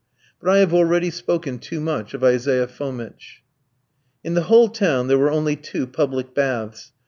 But I have already spoken too much of Isaiah Fomitch. In the whole town there were only two public baths.